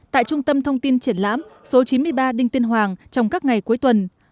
tại trung tâm thông tin triển lãm số chín mươi ba đinh tiên hoàng trong các ngày cuối tuần